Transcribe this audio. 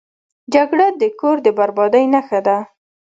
جګړه د کور د بربادۍ نښه ده